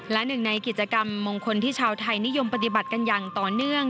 และหนึ่งในกิจกรรมมงคลที่ชาวไทยนิยมปฏิบัติกันอย่างต่อเนื่อง